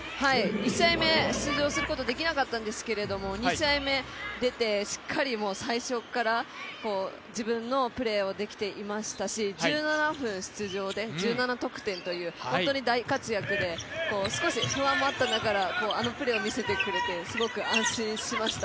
１試合目、出場することができなかったんですけれども、２試合目出て、しっかり最初から自分のプレーをできていましたし１７分出場で１７得点という本当に大活躍で、少し不安もありながらあのプレーを見せてくれて、すごく安心しました。